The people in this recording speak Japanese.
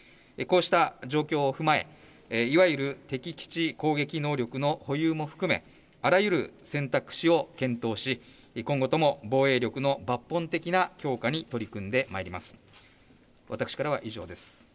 こうした状況を踏まえ、いわゆる敵基地攻撃能力の保有も含め、あらゆる選択肢を検討し、今後とも防衛力の抜本的な強化に取り組んでまいります。